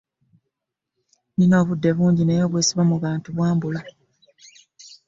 nnina obudde bungi naye obwesiba ku bantu bwambula.